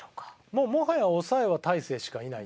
もうもはや抑えは大勢しかいない。